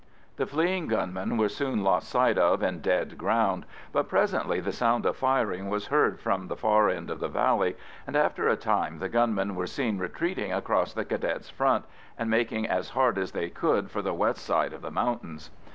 The fleeing gunmen were soon lost sight of in dead ground, but presently the sound of firing was heard from the far end of the valley, and after a time the gunmen were seen retreating across the Cadets' front, and making as hard as they could for the west side of the mountains.